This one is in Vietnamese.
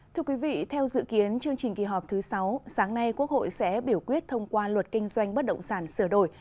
thưa quý vị theo dự kiến chương trình kỳ họp thứ sáu sáng nay quốc hội sẽ biểu quyết thông qua luật kinh doanh bất động sản sửa đổi